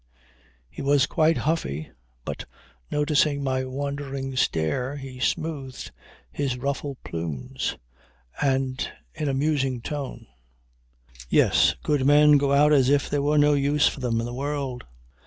He was quite huffy, but noticing my wondering stare he smoothed his ruffled plumes. And in a musing tone. "Yes. Good men go out as if there was no use for them in the world.